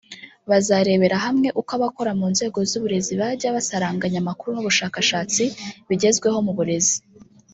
Bazarebera hamwe uko abakora mu nzego z’uburezi bajya basaranganya amakuru n’ubushakashatsi bigezweho mu burezi